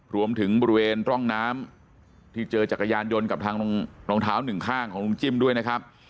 รวมถึงบริเวณร่องน้ำที่เจอจักรยานยนต์กับทางรองเท้าหนึ่งข้างของลุงจิ้มด้วยนะครับ